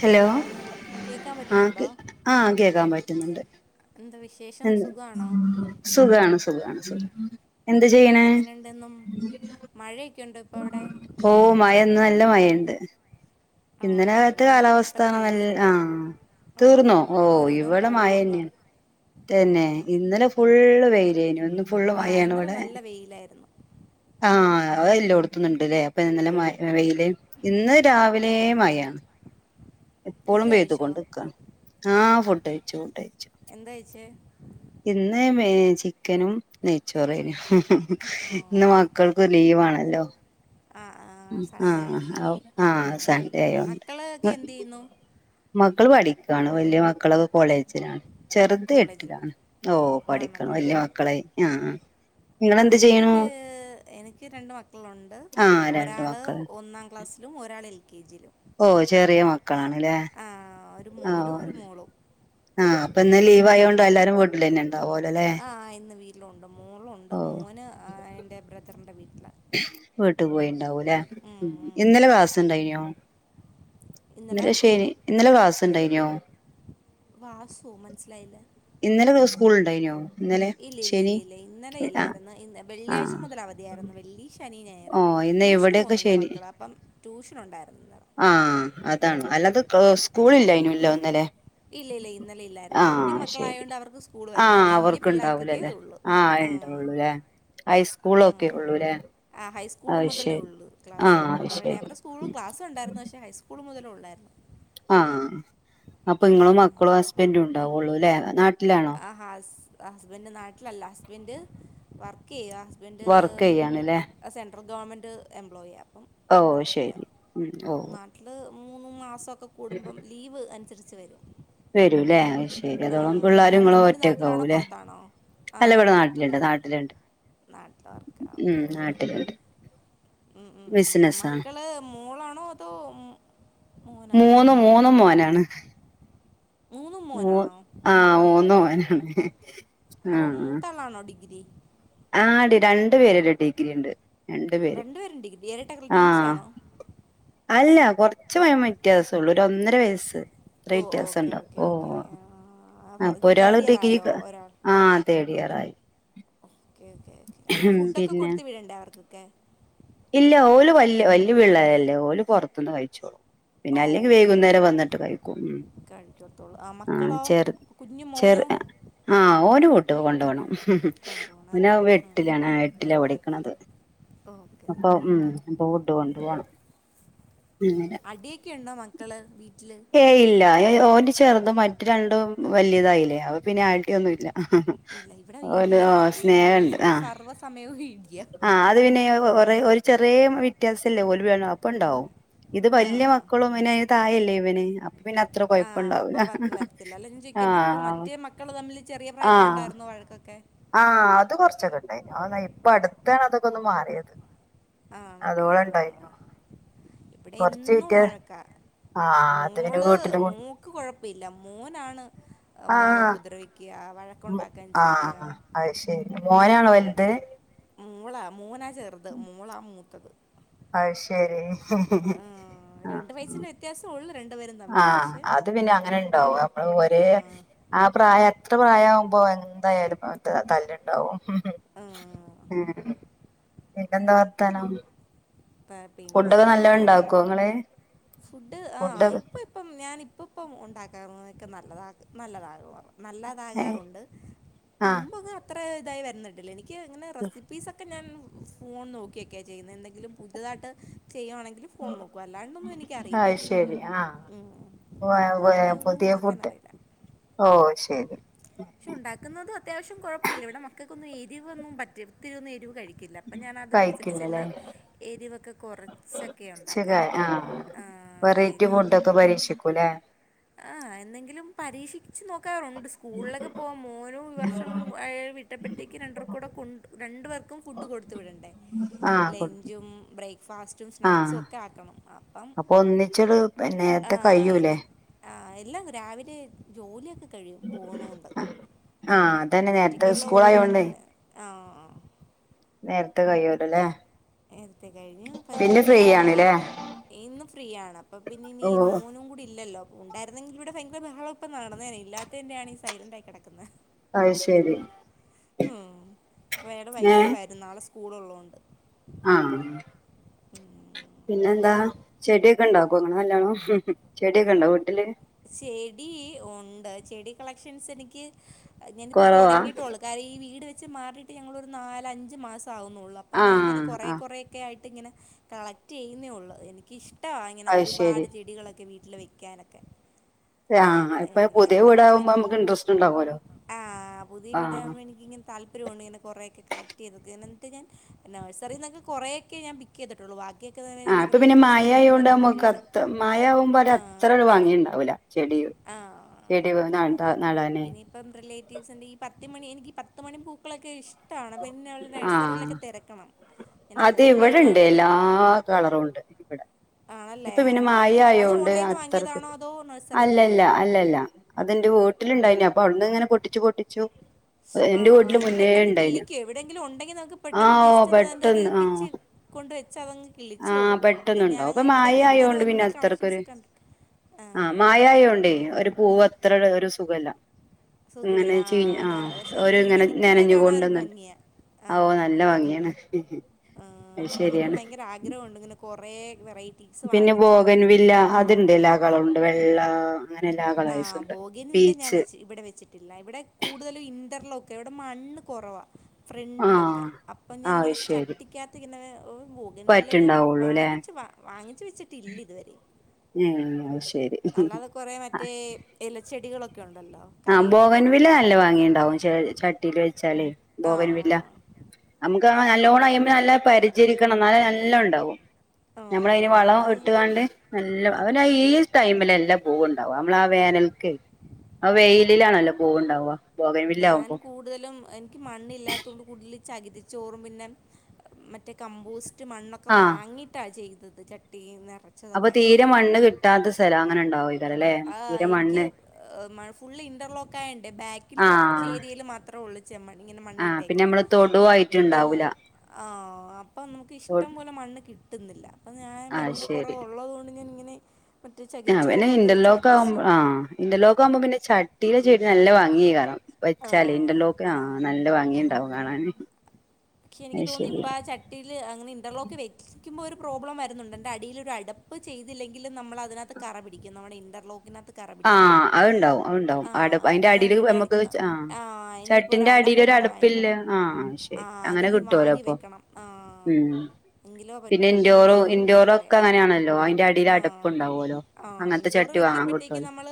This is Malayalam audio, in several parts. ഹലോ കേൾക്കാൻ ആ പറ്റുന്നുണ്ടോ ആ കേക്കാൻ പറ്റ്ന്നുണ്ട് എന്താ വിശേഷം എൻ സുഖമാണോ സുഖാണ് സുഖാണ് സുഖം എന്ത് ചെയ്യ്ണ് മഴിം ഓ മഴൊന്ന് നല്ല മഴണ്ട് ആ ഇന്നലത്തെ ഇവിടെ മഴ കാലാവസ്ഥ ഇപ്പം നല്ല തീർന്നു ആഹ ആ തീർന്നോ ഓ ഇപ്പോൾ ഒരുവിധം ഇവടെ തോർന്ന് മാഴേണ് ആ തന്നെ ഇന്നലെ ഫുള്ള് വെയിലെനു ഇന്ന് ഫുള്ള് ആ മയാണ് ഇന്നലെ ഇവിടെ നല്ല വെയിലായിരുന്നു ആഹ അ എല്ലോട്ത്തുണ്ട്ല്ലേ അപ്പൊ ഇന്നലെ മ വെയില് ഇന്ന് രാവിലെ മഴാ ഇപ്പോളും ഫുഡ് പെയ്തു കഴിച്ചോ കൊണ്ട്ക്കാണ് ആ ഫുഡയിച്ചു ഫുഡ എന്താ കഴിച്ചേ ഇന്ന് ചിക്കനും നെയ്ച്ചോറെനു ആ ഇന്ന് ഓക്കെ ഓക്കെ മക്കൾക്ക് ലീവാണല്ലോ ആ ആ സൺഡേ ആഹ ആകുമ്പോൾ ആഹ ഔ ആ സൺഡേ ആയോണ്ട് മക്കളൊക്കെ എന്ത് ചെയ്യുന്നു മക്കള് പഠിക്കാണ് വല്ല്യ മക്ക മക്കള് കോളേജിലാണ് ചെറുത് കോളേജിൽ എട്ടിലാണ് പഠി ഓ പഠിക്കണം ആണല്ലേ വല്ല്യ മക്കളായി ആ ആ ആ എനിക്ക് എനിക്ക് രണ്ട് മക്കളുണ്ട് ആഹ് രണ്ട് ഒരാള് മക്കള് ഒന്നാം ക്ലാസ് ഒരാളിൽ കെ ജി ലും ഓ ചെറിയ മക്കളാണ്ല്ലേ ആ ഒരു മോനും ആഹ് ഒരു മോളും ആഹ് ഇപ്പന്ന് ലീവായോണ്ട് എല്ലാരും വി ആഹ ഇന്ന് വീട്ടിലുണ്ട് ഓ മോളുണ്ട് മോന് എൻ്റെ ബ്രദറിന്റെ വീട്ടില വീട്ട് പോയിണ്ടാവൂല്ലേ മ്മ് ഉം മ്മ് ഇന്നലെ ക്ലാസ് ഉണ്ടായിനോ ഇന്നലെ ശനി ഇന്നലെ ക്ലാസ് ഉണ്ടായിനോ വാസോ മനസ്സിലായില്ല ഇന്നലെ സ്കൂൾ ഉണ്ടായീനോ ഇല്ല ഇല്ല ഇല്ല ഇല്ല ഇന്നലെ ഇല്ലായിരുന്നു ഇ ആ വെള്ളിയാഴ്ച മുതൽ അവധി ആയിരുന്നു വെള്ളി ശനി ഞായറ് ഓ ഇന്ന് ട്യൂഷന് ഇവിടെയൊക്കെ പോകുന്നുണ്ട് ശനി മക്കള് അപ്പം ട്യൂഷനുണ്ടായിരുന്നു അല്ലത് സ്കൂളില്ലായിനല്ലോ ഇന്നല്ലേ ഇല്ല ഇല്ല ഇന്നലെ ഇല്ലായിരുന്നു കുഞ്ഞു മക്കളായ ശരി കൊണ്ട് അവർക്ക് സ്കൂൾ വരില്ല വലിയ പിള്ളേർക്കൊക്കെ ഇതള്ളു ണ്ടള്ളൂല്ലേ ഹൈസ്കൂള് ഒക്കെ ഉള്ളൂല്ലേ സ്കൂൾ അത് മുതലേ ശരി ഉള്ളൂ ആ ക്ലാസ് അത് അവിടെ ശരി അവരുടെ സ്കൂളും ക്ലാസുണ്ടായിരുന്നു പക്ഷേ ഹൈസ്കൂൾ മുതലേ ഉള്ളായിരുന്നു ആ അപ്പൊ നിങ്ങളും മക്കളും ഹസ്ബൻ്റും ഉണ്ടാവുള്ളു ല്ലേ നാ ആഹ് ഹസ്ബൻഡ് നാട്ടിലല്ല ഹസ്ബൻഡ് വർക്ക് ചെയ്യുവാ വർക്ക് ചെയ്യാണ്ല്ലേ ഹസ്ബൻഡറ് സെൻട്രൽ ഗവൺമെന്റ് എംപ്ലോയി ആ ഓഹ് ശരി മ്മ് ഓഹ് നാട്ടിൽ മൂന്ന് മാസമൊക്കെ കൂടുമ്പം ലീവ് അനുസരിച്ച് വരും വരൂല്ലേ ആ, ശരിതോളം പിള്ളോരും അവിടെ ഇങ്ങളോ ഹസ്ബൻഡ് ഒറ്റക്ക് നാട്ടിലാണോ ആവുല്ലേ പുറത്താണോ അല്ല ആ ഇവിടെ ഞങ്ങൾ നാട്ടിലുണ്ട് ഒറ്റയ്ക്ക് നാട്ടിലുണ്ട് നാട്ടിൽ മ്മ് നാട്ടിലുണ്ട് മ്മ് മ്മ് മ്മ് ബിസിനസാണ് മക്കള് മോളാണോ അതോ മോനാണോ മൂന്നും മൂന്നും മോനാണ് മൂന്നും ഓ മോനാണോ ആഹ് മൂന്നും മോനാണ് അപ്പൊ ആഹ് മൂത്ത ആളാണോ ഡിഗ്രി ആടി രണ്ടു പേരും ഡിഗ്രി ഉണ്ട് രണ്ടു പേരും ഡിഗ്രി ഏരട്ടകളാണോ ട്വിൻസ് ആഹ് ആണോ അല്ല കൊറച്ച് വയസ് വ്യത്യാസള്ളൂ ഒരു ഒന്നര വയസ്സ് അത്ര ഓ വ്യത്യാസം ഓക്കെ ഉണ്ടാവും ഓക്കെ ഓക്കെ ഓഹ് അപ്പൊ ഒരാള് തേർഡ് ഇയർ ഡിഗ്രി ആയോ ഒരാൾ ആഹ് തേഡ് ഇയറായി ഓക്കെ ഓക്കെ ഓക്കെ അപ്പോൾ ഫുഡൊക്കെ കൊടുത്ത് വിടണ്ടേ അവർക്കൊക്കെ ഇല്ല ഓല് വല് വല്യ പിള്ളേരല്ലേ ഓല് പുറത്തുന്ന് കഴിച്ചോളും പിന്നെ ഓ അല്ലെങ്കിൽ ഓക്കെ വൈകുന്നേരം വന്നിട്ട് കഴിക്കും മ്മ് ആഹ് മക്കളോ കുഞ്ഞു ചെർ മോനോ ആഹ് ഓന് കൂട്ട് കൊണ്ട് പോണം കൊണ്ടുപോകണം അല്ലേ ഓന് എട്ടിലാണ് എട്ടിലാ പഠിക്കണത് ഓക്കെ അപ്പൊ ഓക്കെ മ്മ് ഓക്കെ അപ്പൊ ഫുഡ് കൊണ്ട് പോണം അടിയൊക്കെ ഉണ്ട് ഏയ് ഇല്ല ഓന് ചെറുതും മറ്റത് രണ്ടും വലിയതായില്ലേ പിന്നെ അടി ഒന്നുമില്ല ഇല്ല ഇവിടെ ഓല് ഇടിയാ ഇന്ന് സ്നേഹവുണ്ട് സ- ആഹ് സർവ്വസമയവും ഇടിയാ ആഹ് അത് പിന്നെ ഒ ഒരു ചെറിയ വ്യത്യാസല്ലേ ഓലി വരണോ അപ്പ ഉണ്ടാവും ഇത് ആ വലിയ മക്കളും ഇന് തായല്ലേ ഇവനെ അപ്പൊ പിന്നെ അത്ര കൊഴപ്പണ്ടാവൂല മക്കള് ആഹ് മറ്റേ മക്കള് തമ്മിൽ ചെറിയ ആഹ് പ്രായത്തിലുണ്ടായിരുന്നോ വഴക്കൊക്കെ ആഹ് അത് കുറച്ചൊക്കെ ഉണ്ടായിനു ഇപ്പ അടുത്താണ് അതൊക്കെ ഒന്ന് മാറിയത് ആണല്ലേ അതോളം ആഹ് ഉണ്ടായിനു ഹ ഇവിടെ കൊറച്ച് ഇന്നും വിറ്റ് വഴക്കാ ആഹ് അത് പിന്നെ മോള് വീട്ടില് കൊ- മോള്ക്ക് കൊഴപ്പമില്ല മോനാണ് മോളെ ആഹ് ഉപദ്രവിക്കുക വഴക്കുണ്ടാക്കാൻ ചെല്ലുക ആഹ് അത് ശരി മോനാണോ വലുത് മോളാ മോനാ ചെറുത് മോളാ മൂത്തത് അയ് ശരി ആഹ് ആ, രണ്ട് ഹ് വയസ്സിൻ്റെ വ്യത്യാസമേ ഉള്ളൂ രണ്ടുപേരും തമ്മിൽ ആഹ് പക്ഷേ അത് പിന്നെ അങ്ങനെ ഇണ്ടാവും അമ്മള് ഒരേ ആ, ആ പ്രായം അത്ര പ്രായം ആവുമ്പോ എന്തായാലും ഇപ്പൗത്ത് തല്ല്ണ്ടാവും ആ, ഏഹ് ഇൻ പിന്നെന്താ വർത്താനം പ- ഫുഡൊക്കെ പിന്നെന്താ നല്ലത് ഇണ്ടാക്കോ ഇങ്ങള്? ഫുഡ് ആഹ് ഇപ്പ ഇപ്പം ഞാന് ഇപ്പ ഇപ്പം ഉണ്ടാക്കാതെ നിക്ക്ന്നാ നല്ലതാക് നല്ലതാ [unintelligible] ഏഹ് നല്ലതാകാറുണ്ട് ആഹ് മുമ്പ് ഒക്കെ അത്ത പ്പെ ഇതായി വന്നിട്ടില്ല. എനിക്ക് ഇങ്ങനെ റെസിപ്പീസൊക്കെ ഞാൻ ഫോൺ നോക്കിയൊക്കെയാ ചെയ്യുന്നെ എന്തെങ്കിലും പുതിയതായിട്ട് ചെയ്യുവാണെങ്കില് ഫോൺ നോക്കും അല്ലാണ്ടൊന്നും എനിക്കറിയില്ല. ഉം വയ വയ അല്ലാണ്ട് ഒന്നും പുതിയ ഉണ്ടാക്കാൻ ഫുഡ് അറിയില്ല ഓ ശരി പക്ഷെ ഉണ്ടാക്കുന്നതും അത്യാവശ്യം കൊഴപ്പയില്ല ഇവിടെ മക്കക്കൊന്നും എര് രിവൊന്നും പറ്റി ഒത്തിരിയൊന്നും എരിവ് കഴിക്കില്ല അപ്പ ഞാനതിന് കഴിക്കില്ലല്ലേ അനുസരിച്ചെല്ലാം എരിവൊക്കെ കൊറച്ചൊക്കെ ഉച്ചക്ക് ഉണ്ടാക്കാറുള്ളൂ ആഹ് ആ വെറൈറ്റി എരിവൊന്നും ഫുഡൊക്കെ [inaudible] പരീക്ഷിക്കൂല്ലേ ആഹ് എന്നെങ്കിലും പ പരീക്ഷിച്ച് നോക്കാറുണ്ട് സ്കൂളിലൊക്കെ പ്പോം മോനും വർഷം [unintelligible] ഇട്ടപ്പെട്ടേക്ക് രണ്ടെർക്കൂടെ കൊണ്ട് രണ്ട് പേർക്കുംഫുഡ് കൊടുത്ത് വിടണ്ടേ ആഹ് കൊ ഉം ബ്രേക്ക്‌ ഫാസ്റ്റും സ്നാക്സും ഒക്കെ ആക്കണം അപ്പം ആ- ആ [unintelligible] എല്ലാം രാവിലെ ജോലിയൊക്കെ കഴിഞ്ഞു പോന്നോണ്ട് ആഹ അതന്നെ നേരത്തെ സ്കൂളാ ഉള്ള് യോണ്ടേ പിന്നെ ആഹ് നേരത്തെ കയിയോലൊയില്ലേ നേരത്തെ കഴിഞ്ഞ് ഓ ആണ്ല്ലേ [unintelligible] ഇന്ന് ഫ്രീ ആണ് അപ്പൊ പിന്നെ ഇനി ഓ മോനും കൂടി ഇല്ലല്ലോ ഉണ്ടായിരുന്നെങ്കിൽ ഇവിടെ ഭയങ്കര ബഹളം ഇപ്പം നടന്നേനെ ഇല്ലാത്തതിന്റെയാണ് ഈ സൈലന്റായി കെടക്കുന്നേ അയ് ശരി ഉം ഇപ്പൊ അയാള് വൈകിട്ട് വരും നാളെ സ്കൂള് ഉള്ളോണ്ട് ആഹ പിന്നെ എന്താ ചെടിയൊക്കെ ഉണ്ടാക്കോ [unintelligible] ചെടിയൊക്കെ ഉണ്ടോ വീട്ടില് ചെടി ഉണ്ട് ചെടി കളക്ഷൻസ് എനിക്ക് ഞാനിപ്പം കൊറവാ തൊടങ്ങിട്ടെയുള്ളു കാരണം ഈ വീട് വെച്ചി - ച് മാറിയിട്ട് ഞങ്ങളൊരു നാലഞ്ചു മാസം ആവുന്നുള്ളൂ അപ്പോ ഞാൻ ഇങ്ങനെ ആഹ് കുറെ ആഹ് കുറേ ഒക്കെ ആയിട്ട് ഇങ്ങനെ കളക്ട് ചെയ്യുന്നേള്ളൂ എനിക്ക് ഇഷ്ട്ടവാ ഇങ്ങനെ അത് ശരി ഒരുപാട് ചെടികളൊക്കെ വീട്ടീല് - വീട്ടിൽ വെക്കാനൊക്കെ ആ ഇപ്പൊ ഞാനിങ്ങനെ പുതിയ കളക്ട് വീടാകുമ്പോ ചെയ്ത് നമുക്ക് ഇൻട്രസ്റ്റ് ഇണ്ടാവുമലോ ആ പുതിയ ആഹ വീടാകുമ്പോൾ എനിക്കിങ്ങനെ താല്പര്യമുണ്ട് ഇങ്ങനെ കൊറെയൊക്ക കളക്ട് ചെയ്ത് എന്നിട്ട് ഞാൻ നഴ്റിന്നൊക്ക കൊറേക്കെ ഞാൻ പിക്ക്- ചെയ്തിട്ടുള്ളു വാ ആഹ അപ്പൊ പിന്നെ മായയായൊണ്ട് നമുക്ക് പോയിട്ട് അത്ര മയ ആകുമ്പ ആ അത്ര ഭംഗിണ്ടാവൂല ചെടി ആ ചെടി പോന്നണ്ടാ നടാനെ [unintelligible] എന്ന് വെച്ചിട്ടുണ്ടെങ്കിൽ ഈ പത്ത് മണി എനിക്ക് പത്ത് മണി പൂക്കളൊക്കെ ഇഷ്ടമാണ് അപ്പൊ ഇന്നു ആഹ് നഴ്റിയിലൊക്കെ തെരക്കണം അത് ഇവിടെ ഇണ്ട് എല്ലാ കളറുണ്ട് ഇവിടെ ആണല്ലേ ഇപ്പൊ പിന്നെ ആ മഴ എനിക്ക് ഇഷ്‌ടം അത് ആയോണ്ട് ഓൺലൈൻ നിന്ന് അത്രക്ക് വാങ്ങിയതാണോ അതോ നഴ്സ- അല്ലല്ല അല്ലല്ല അതെന്റെ വീട്ടിലുണ്ടായിനി അപ്പൊ അവിടുന്ന് ഇങ്ങനെ പൊട്ടിച്ചു പൊട്ടിച്ചു- എന്റെ ആഹ വീട്ടില് ഇത് മുന്നേ പെട്ടെന്ന് ഉണ്ടായിനു കിളിക്കും എവിടെങ്കിലും ഉണ്ടെങ്കിൽ നമുക്ക് പെട്ടന്ന് ആഹ് ഓ ജസ്റ്റ് ഒന്ന് പെട്ടെന്ന് ആഹ് പിച്ചി- കൊണ്ട് വെച്ച അതങ്ങ് ആഹ് കിളിച്ചോളും പക്ഷെ പെട്ടെന്നുണ്ടാവും ഇപ്പൊ ഞാനങ്ങനെ മഴ ഇവിടെങ്ങും ആയോണ്ട് പിന്നെ വല്യ കളക്ഷൻസ് അത്രക്കൊരു കണ്ടി ആഹ് മായായോണ്ടേ ഒരു പൂവ് അത്ര ഒരു സുഖല്ല ഇങ്ങനെ സുഖില്ല ചീഞ്ഞ് അതാ ആഹ് പക്ഷെ അത് വിരിഞ്ഞ് നിക്കുന്നത് കാണാൻ ഒരു ഭംഗിയ ഓഹ് നല്ല ഭംഗിയാണ് അത് ശരിയാണ് ആഗ്രഹണ്ട് ഇങ്ങനെ കുറേ വെറൈറ്റീസ് പിന്നെ വാങ്ങിച്ചിട്ട് ബോഗൻ ഇങ്ങനെ വില്ല വീട്ടിൽ അത്ണ്ട് വെക്കണമെന്ന് എല്ലാ കളറുണ്ട് വെള്ള എല്ലാ കളേഴ്സും ആഹ് ഉണ്ട് ബോഗിയൻ വില്ല ഞാൻ പീച്ച് വെച് ഇവിടെ വെച്ചിട്ടില്ല ഇവിടെ കൂടുതലും ഇന്റർലോക്ക് ക്കെ ഇവിടെ മണ്ണ് കുറവാ ഫ്രണ്ടിലൊക്കെ ആഹ് അപ്പം ആഹ് ഞാനിങ്ങനെ അത് ശരി ചട്ടിക്കാത്ത് ഇങ്ങനെ ബോഗെൻ വില്ല ഞാൻ പറ്റുണ്ടാവുള്ളൂല്ലേ വാങ്ങിച്ചു വാങ്ങിച്ചു വെച്ചിട്ടില്ല ഇതുവരെ പിന്നെ അയ് ശരി ഏഹ് ഇലച്ചെടികളൊക്കെ ഉണ്ടല്ലോ ആഹ കലേഡിയം ബോഗൈൻ വില്ല നല്ല വെറൈറ്റീസൊക്കെ ഭംഗിണ്ടാവും ച ചട്ടിൽ വെച്ചാല് ആ ബോഗൈൻ വില്ല നമുക്ക് ആ നല്ലോൺയുമ്പോ നല്ല പരിചരിക്കണം എന്നാല നല്ല ഉണ്ടാവും ആ, നമ്മളതിന് വളം ഞാൻ ഇട്ടാണ്ട് നല്ല അവന ഈ ടൈമിലല്ലാം പൂവുണ്ടാവാ നമ്മള ആ വേനൽക്ക് ആ വെയിലിലാണല്ലോ പൂവുണ്ടാവ ഞാൻ ബോഗൻവില്ലാവുമ്പോ കൂടുതലും എനിക്ക് മണ്ണ ഇില്ലാത്ത കൊണ്ട് ചകിതിച്ചോറും പിന്നെ മറ്റേ കമ്പോസ്റ്റ് മണ്ണൊക്കെ ആഹ് വാങ്ങിയിട്ടാണ് ചെയ്ത് ചട്ടി ന്നാ അപ്പൊ തീരെ മണ്ണ് കിട്ടാത്ത സ്ഥലം അങ്ങനെ ഉണ്ടാവോ ആ് എനിക്ക് ഫുള്ള് ഇന്റർലോക്ക് ആയണ്ടേ ബാക്കിൽ കുറച്ച് ആഹ് ഏരിയയിൽ മാത്രമേ ഉള്ളൂ ചെമ്മൺ ഇങ്ങനെ മണ്ണ് ആഹ് പിന്നെ ഇട്ടേക്കുന്ന നമ്മള് തോ തൊടുവായിട്ടുണ്ടാവൂല ആഹ അപ്പൊ നമുക്ക് ഇഷ്ടം പോലെ മണ്ണ് കിട്ടും ന്നില്ലഞൻ ആഹ് മണ്ണൻ് ശരി കുറവുള്ളതുക കൊണ്ട് ഞാനിങ്ങനെ മറ്റേ ചകരി ആഹ് പിന്നെ ചോറ് ഇന്റർലോക്ക് ആകുമ്പോ ആ ഇന്റർലോക്ക് ആകുമ്പോ പിന്നെ ചട്ടിയിലെ ചെടി നല്ലാ ഭംഗി യ കാരം വെച്ചാല് എന്റെ ആ ലോക്ക് ആഹ് ആ നല്ല ഭാംഗിയുണ്ടാവും കാണാന് പക്ഷെ എനിക്ക് അത് തോന്നി ശരി ഇപ്പ ആ ചട്ടിയില് അങ്ങനെ ഇന്റർലോക്ക് വെക്ക ഒരു പ്രോബ്ലം വരുന്നുണ്ട്ൻ്റെ അടിയിരു അടുപ്പ് ചെയ്തില്ലെങ്കില നമ്മള അതിനകത്ത് കറ പിടിക്കും നമ്മുടെ ഇൻറർനകത്ത് ആഹ് അത് ഉണ്ടാവും അത്ണ്ടാവും അ അതിന്റെ അപ്പം ഞാൻ അടിൽ നമ്മുക്ക് വിചാരിക്കുന്നു ആഹ ആ ഇനിയിപ്പോൾ ഒരു ചട്ടിന്റെ അടപ്പ് അടിൽര കൂടെ അടുപ്പില്ല വാങ്ങിക്കണം ആഹ ആ ശരി അങ്ങനെ അതിനി കിട്ടുവലോ വാങ്ങി അപ്പൊ വെക്കണം ആ ഉം എങ്കിലോ പിന്നെ പറ്റൂ അല്ലെങ്കിൽ ഇൻഡോറോ ഇത് മൊത്തം ഇൻഡോറോ ഒക്കെ കറയാവും അങ്ങനെയാണല്ലോ അതിന്റെ അടിൽ അടപ്പ ആഹ് ഉണ്ടാവുമല്ലോ അങ്ങനത്തെ ചട്ട ചട്ടി വാങ്ങാൻ കിട്ടും നൾ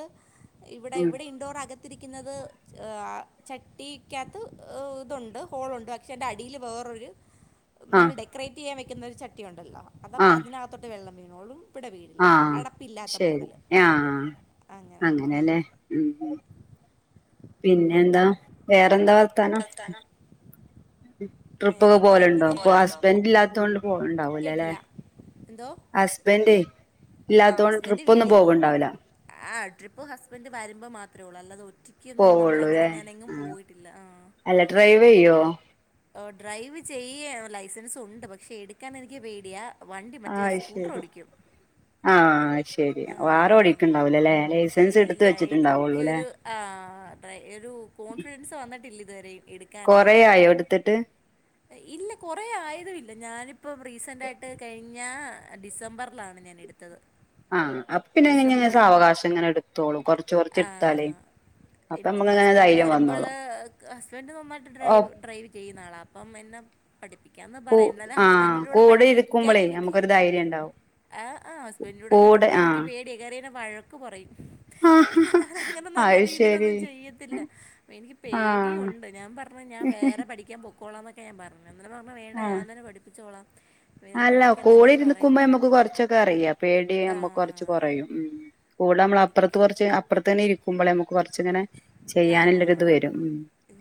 ഇവിടെ ഇവിടെ ഇൻഡോർകത്തിരിക്കുന്നത് ചട്ടിക്കകത്ത് ഇതുണ്ട് ഹോളുണ്ട് പക്ഷെ എറെ അടിൽ വേറൊരു നമ്മൾ ആഹ് ഡെക്കറേറ്റ് ചെയ്യാൻ വെക്കുന്നൊ ഒരു ചട്ടിയ ഉണ്ടല്ലോ അതാ അതിനകത്തോട്ട് വെള്ളം വീ നോളും ആഹ ശരി ആഹ അങ്ങനെ അങ്ങനെല്ലേ ഉ പിന്നെ എന്താ വേറെന്താ വർത്താനം ട്രിപ്പൊക്കെ വേറെന്താ ഇങ്ങനെ പോലുണ്ടോ ഇപ്പൊ പോലുണ്ടോ ഹസ്ബൻഡ അപ്പൊ? ഇല്ലാത്തൊണ്ട് പോണ്ടാവല അല്ലെ കേട്ടില്ല എന്തോ ഹസ്ബൻഡേ ആ ഇല്ലാത്തോണ്ട് ഹസ്ബൻഡ് ട്രിപ്പ ഒന്നും വിളി പോകണ്ടാവില്ല ആ ട്രിപ്പ് ഹസ്ൻറ് വരുമ്പോ മാത്രേ ഉൂ അല്ലത ഒരു പോവുള്ളൂ ല്ലേ ആ ആ അല്ല ഡ്രൈവ് ചെയ്യോ ഓ ഡ്രൈവ് ചെയ്യാൻ ലൈസൻസ് ഉണ്ട് പക്ഷെ എടുക്കാൻ എനിക്ക് പേടിയാ വണ്ടി മറ്റേ ആഹ് അത് സ്കൂട്ടർ ഓടിക്കും ശെരി ആ, വാറെ ഓടിക്കുണ്ടാവൂല അല്ലെ ലൈസൻസ് എടുത്ത ഇല്ല വെച്ചിട്ടുണ്ടാവുള്ളൂ അല്ലേ എനിക്കൊരു ആ, ഡ്രൈ- ഒരു കോൺഫിഡൻസ് വന്നട്ടില്ല ഇതുവരെ എടുക്കാനായിട്ട് കൊറെയായോ എടുത്തിട്ട് ഇല്ല കൊറെ ആയത ഇല്ല ഞാനിപ്പം റീസന്റ് ആയിട്ട് കഴി ഞ്ഞ ഡിസംബറിലാണ് ഞാൻ എടുത്തത് ആഹ അപ്പൊ പിന്നെ എങ്ങനങ്ങ സ ഡിസംബർ അവകാശം ഇങ്ങനെ എടുത്തോളൂ കുറച്ച് കുറച്ച് എടുത്താലേ അപ്പൊ എങ്കിൽ നമ്മക്ക് ഇങ്ങനെ ഹസ്ബന്ഡ് ധൈര്യം വരുമ്പോള് വന്നോളും ഹസ്ബൻഡ് നന്നായിട്ട് ഡ്രൈ ഒപ്പു ഡ്രൈവ ചെയ്യുന്ന ആളാണ് അപ്പം എന്ന പഠിപ്പിക്കാന്ന് പറയായും എന്നാലെ ആഹ് ഹസ്ബൻഡിന്റെറെ കൂടെ പഠിക്കൻ ഇരിക്കുമ്പളേ എനിക്ക് നമുക്കൊരു ധൈര്യം ഉണ്ടാവും ആഹ് ആ് ഹസ്ബൻഡൂടെ കൂടെ എനിക്ക് ആഹ് പേട കേയറിയ വഴക്ക്പറയും ആഹ് ഞാനങ്ങനെ നല്ല അത് ശരി രീതിൽന്നും ചെയ്യത്തില്ല എനിക്ക് ആഹ് പേടിയുണ്ട് ഞാൻ പറഞ്ഞ ഞാൻ വേറെ പഠിക്കാൻ പക്കോ എന്നൊക്കെ ഞാ പറഞ്ഞ എന്നാല പറഞ്ഞ വേണ്ട ആഹ് ഞാൻ തെ പഠിച്ചോളാം അല്ല കോളിരു നിക്കുമ്പോ നമുക്ക് കുറച്ചൊക്കെ അറിയാം പേഡി യെ കുറച്ച് കുറയും ഉ കൂടെ നമ്മള അപ്പുറത് കുറച്ച് അപ്പുത്ത്ന്നെ ഇരിക്കുമ്പോ നു കൊറച്ചിങ്ങനെ ചെയ്യാനുള്ളൊ ഇത് ആഹ് വരും ഉ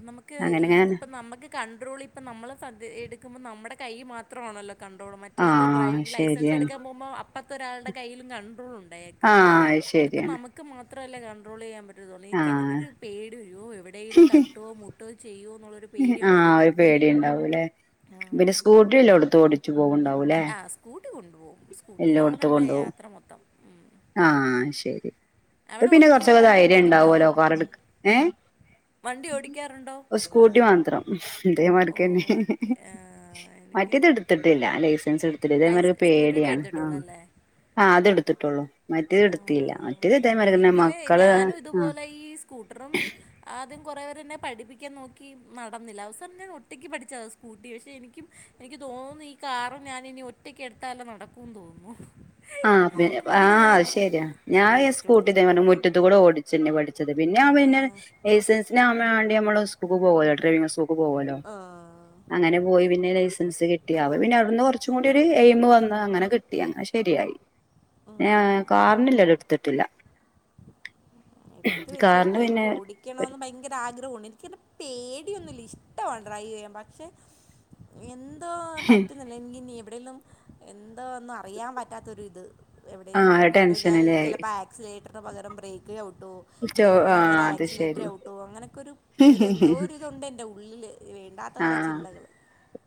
നമുക്ക് ഇതിപ്പം നമുക്ക് കണ്ടട്രോൾ ഇപ്പ നമ്മളൾ സദ്യ എടുക്കുമ്പോൾ നമ്മുടെ കൈ മാത്രമാണല്ലോ കണ്ട്രോളും മറ്റേത് ആഹ് ഡ്രൈവിംഗങ് ലൈസൻസ് ശരിയാണ് എടുക്കാൻ പോകുമ്പോ അപ്പത്തെ ഒരാളുടെ കയ്യിലും കണ്ടട്രോൾ ഉണ്ടായേക്കും അയ് ശരിയാണ് മാത്രല്ല കണ്ടട്രോൾ ചെയ്യാൻ പറ്റത്തോള്ള് ആഹ് എിക്കക്ക്ങ്ങനൊരു പേടി വരോ എവിടെലും തട്ടോ മുട്ടോ ആ ഒരു പേടി ഉണ്ടാവൂല്ലെ പിന്നെ ആഹ് സ്കൂട്ടി എല്ലേ എടുത്ത് ഓടിച്ചു പോവണ്ടാവൂലേ ആഹ് സ്കൂട്ടി കൊണ്ടുപോകും സ്കൂട്ടിലാണ് എല്ലാംടുത്ത് എൻ്റെ കൊണ്ടു പോവും യാത്ര മൊത്തം ഉം ആ അ യ് ശരി അപ്പൊ അവിടെ പിന്നെ ഓടിക്കുവോ കുറച്ചൊക്കെ വണ്ടിയൊക്കെ ധൈര്യം ഓടിക്കുവോ ഉണ്ടാവുലോ കാർ എടു ഏ വണ്ടി ഓടിക്കാറുണ്ട് സ്കൂട്ടി മത്രം ഇതേ മതിരിക്ക് തന്നെ ഓക്കെ മറ്റേത് എനിക്കും എടുത്തിട്ടില്ല ലൈസൻസ് ഇതേമാതിരി ലൈസ് സ്കൂട്ടിയുടെ പേടിയാണ് എടുത്തിട്ടുള്ളൂ അല്ലേ ആ അതെടുത്തിട്ടുള്ളൂ മറ്റേത് എടുത്തിയില്ല മറ്റേത് ഇതേമാതിരി എങ്കിൽ മക്കള് ഞാനും ആ ഇതുപോലെ ഈ സ്കൂട്ടറും ആദ്യം കുറേ പേര് എന്നെ പഠിപ്പിക്കാൻ നോക്കി നടന്നില്ല അവസാനം ഞാൻ ഒറ്റക്ക് പഠിച്ചതാ സ്കൂട്ടി പക്ഷെ എനിക്കും എനി ക്ക് തോന്നുന്നു ഈ കാറ് ഞാന് ഇനി ഒറ്റയ്ക്ക് എടുത്താലേ നടക്കുംന്ന് തോന്നുന്നു ആ പിന്ന ആ കൂടെ അയ് ശരിയാ ഒരാളിരുന്ന് ഞാൻ ഈ ഓടിച്ചോടിച്ച് സ്കൂട്ടീ മുറ്റത്ത് കൂടെ ഓടിച്ചന്നെ പഠിച്ച ച്ചത് പിന്നെ ആ പിന്നെ ലൈസൻന് ആവണ്ടി നമ്മള് സ്കൂൾ പോയത് ഡ്രൈവ് സ്കൂൾ പോവൂല്ലോ ആ അങ്ങനെ പോയി പിന്നെ ലൈസൻസ് കി കിട്ടിയാവ പിന്നെ അവിടുന്ന് കുറച്ചും കൂടി ഒരു എയിംമു വന്ന് അങ്ങനെ കിട്ടി അങ്ങനെ ശരിയായി പിന്നെ ആ കാറിനില്ല ഇത് എടുത്തിട്ടില്ല എടുത്ത് കാറിന് വച്ചേക്ക് പിന്നെ എനിക്ക് ഓടിക്കണന്ന് ഭയങ്കര ആഗ്രഹുണ്ട് എനിക്ക് പേടി എനിക്ക്ന്നും ഇഷ്ട ഡ്രൈവ് ചെയ്യാൻ പക്ഷെ എന്തോ പറ്റുന്നില്ല എനിക്ക് ഇനി എവിടെലും എൻ ന്തോ ഒന്ന് അറിയാൻ പറ്റാത്ത ഒരിത് ആ എവിടെലും കൊണ്ട് ഞാൻ ഈ ടെൻഷനിലായി ചിലപ്പോ ആക്സ്ലെറ്റർ പകരം ബ്രേക്ക് ചവിട്ടോ ചോ ആ ബ്രേക്കിന് പകരം അത് ആക്സിലേറ്റർ ശരി ചവിട്ടോ അങ്ങനൊക്കെ എന്തോ ഒരിത് ഉണ്ട് എന്റെ ഉള്ളില് വേണ്ടാത്ത കുറെ ആഹ് ചിന്തകള്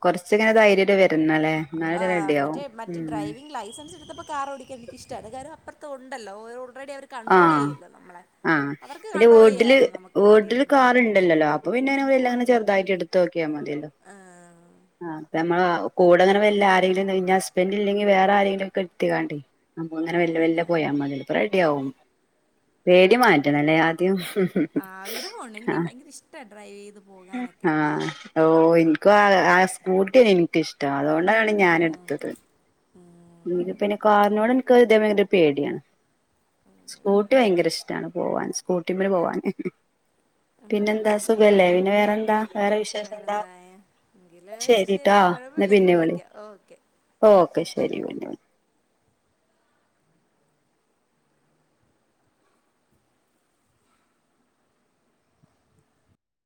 കൊറച്ചിങ്ങനെ ധൈര്യം വരുന്നല്ലേ ആ മറ്റേ മറ്റ് ഡ്രൈവിംഗ ലൈസൻസ് എടുത്തപ്പോ കാർ ഓടിക്കാൻ ഇഷ്ട അല്ല കാര്യം അപ്പുറത്ത് ഉണ്ടല്ലോ ഒ ഓൾറെഡി അവര് കൺട്രോൾ ചെയ്യല്ലോ നമ്മളെ ആ അവർക്ക് പിന്നെ കൺട്രോൾ വീട്ടില് ചെയ്യാമല്ലോ നമുക്ക് വിട്ട്ല് പറ്റിയില്ലെങ്കിൽ കാറുണ്ടല്ലല്ലോ അപ്പൊ പിന്നെെ വെല്ലാംങ്ങനെ ഉണ്ട് ചെറുതായിട്ട് എടുത്ത് നോക്കിയാൽ മതി ആഹ് ആ ഇപ്പം നമ്മള കൂടെ അങ്ങനെ വല്ല ആരെങ്കിലും ഹസ്ബൻഡറ് ഇല്ലങ്കിൽ വേറെ ആരെങ്കിലും ഇരുത്തിക്കാണ്ട് നമ്മ ഇങ്ങനെ ആഹ് മെല്ലെ മെല്ലെ അതാ പോയാൽ മതി അപ്പോ റെഡി ആവും പേടി മാറ്റണം അല്ലേ ആദ്യം ആഗ്രഹം ഉണ്ട് എനിക്ക് ഭയങ്കര ഇഷ്ട ഡ്രൈവ് ചെയ്ത് പോകാനൊക്കെ ആ ഓ എനിക്ക് ആ സ്കൂട്ടിയ എനിക്കിഷ്ട അതുകൊണ്ടാണ് ഞാന് ആഹ് എടുത്തത് ഉം എ നിക്ക് പിന്നെ കാറിനോട് എനിക്ക് ഇതേമാതിരി ഭയങ്കര പേടിയാണ് സ്കൂട്ടി ഭയങ്കര ഇഷ്ടാണ് പോവാൻ സ്കൂട്ടിമം പോവാന് ഉം. പിന്നെന്താ ഓക്കെ സുഖല്ലേ പിന്നെ വേറെന്താ വേറെ വിശേഷം എന്താ ശരിട്ടോ എന്നാ കുഴപ്പല്ലെങ്കി പിന്നെ വിളി വിളിക്കാം ഓക്കെ ഓക്കെ ശരി കുഞ്ഞ